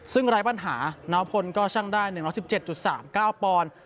ซึ่งไร้ปัญหาน้าวพลก็ชั่งได้๑๑๗๓ก้าวปอง